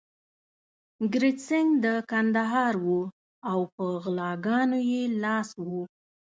کرت سېنګ د کندهار وو او په غلاګانو يې لاس و.